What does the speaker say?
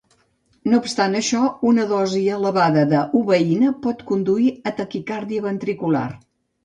No obstant això, una dosi elevada d'uabaïna pot conduir a taquicàrdia ventricular.